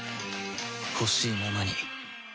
ほしいままに